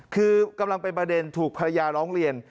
คือกำลังเป็นประเด็นถูกภรรยาร้องเรียน